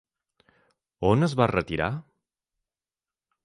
On es va retirar?